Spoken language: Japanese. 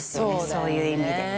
そういう意味で。